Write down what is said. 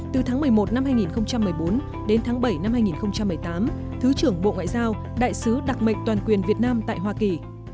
từ tháng một mươi một năm hai nghìn một mươi bốn đến tháng bảy năm hai nghìn một mươi tám thứ trưởng bộ ngoại giao đại sứ đặc mệnh toàn quyền việt nam tại hoa kỳ